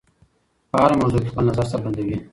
په هره موضوع کې خپل نظر څرګندوي.